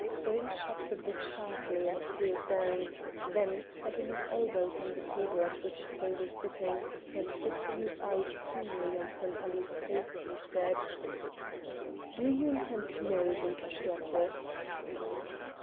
Truyn shut the book sharply and threw it down; then, setting his elbows on the table at which they were sitting, and fixing his eyes keenly on Sempaly's face he said: "Do you intend to marry Zinka Sterzl?"